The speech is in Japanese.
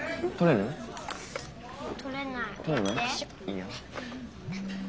いいよ。